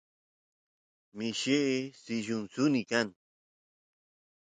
mishi sillun suni kan